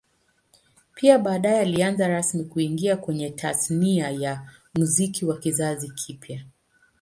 Pia baadae alianza rasmi kuingia kwenye Tasnia ya Muziki wa kizazi kipya